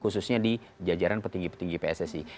khususnya di jajaran petinggi petinggi pssi